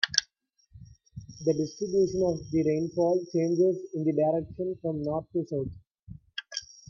The distribution of the rainfall changes in the direction from north to south.